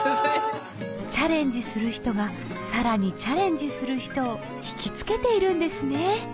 チャレンジする人がさらにチャレンジする人を引きつけているんですね